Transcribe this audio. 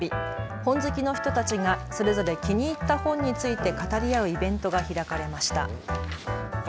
本好きの人たちがそれぞれ気に入った本について語り合うイベントが開かれました。